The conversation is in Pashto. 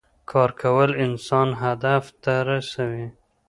کار کول انسان خپل هدف ته رسوي